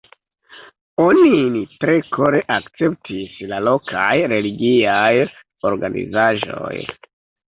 Onin tre kore akceptis la lokaj religiaj organizaĵoj.